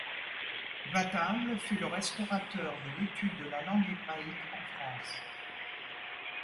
Vatable fut le restaurateur de l'étude de la langue hébraïque en France.